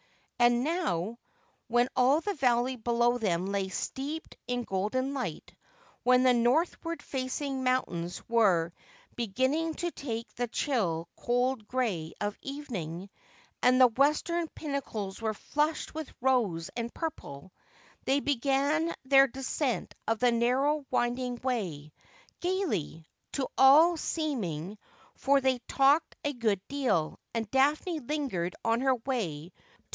And now, when all the valley below them lay steeped in golden light, when the northward facing mountains were be ginning to take the chill cold gray of evening, and the western pinnacles were flushed with rose and purple, they began their descent of the narrow winding way, gaily, to all seeming, for they talked a good deal, and Daphne lingered on her way to X 322 Asijhodel.